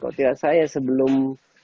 kalau tidak saya sebelum